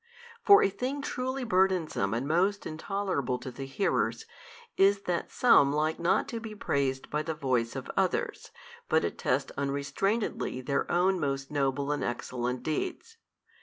For a thing truly burdensome and most intolerable to the hearers, is it that some like not to be praised by the voice of others, but attest unrestrainedly their own most noble and excellent deeds.